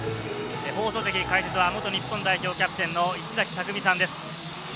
放送席の解説は元日本代表キャプテンの石崎巧さんです。